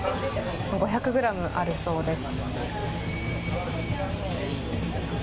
５００グラムあるそうです。